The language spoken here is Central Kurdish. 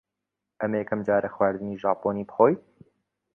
ئەمە یەکەم جارە خواردنی ژاپۆنی بخۆیت؟